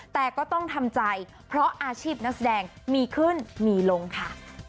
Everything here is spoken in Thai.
แต่ก็ต้องทำใจเพราะอาชีพนักแสดงมีขึ้นมีลงค่ะ